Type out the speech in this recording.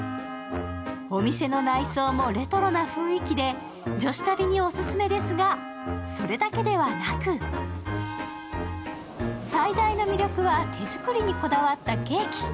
お店の内装もレトロな雰囲気で女子旅にオススメですがそれだけではなく、最大の魅力は手作りにこだわったケーキ。